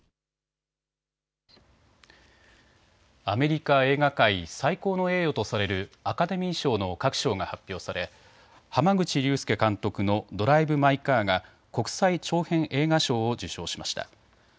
アメリカ映画界、最高の栄誉とされるアカデミー賞の各賞が発表され濱口竜介監督のドライブ・マイ・カーが国際長編映画賞を受賞しました。